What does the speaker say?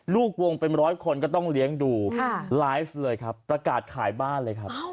ลูกวงเป็นร้อยคนก็ต้องเลี้ยงดูไลฟ์เลยครับประกาศขายบ้านเลยครับ